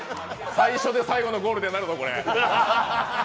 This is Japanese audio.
最初で最後のゴールデンなるぞ。